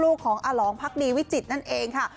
ลูกของอลองพักดีวิจิตรนั่นเองค่ะ